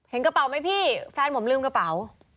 กระเป๋าไหมพี่แฟนผมลืมกระเป๋า